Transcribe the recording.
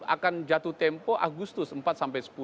akan jatuh tempo agustus empat sampai sepuluh